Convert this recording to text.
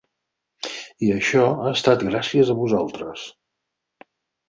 I això ha estat gràcies a vosaltres.